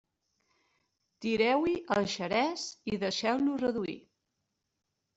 Tireu-hi el xerès i deixeu-lo reduir.